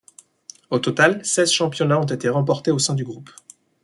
Au total, seize championnats ont été remportées au sein du groupe.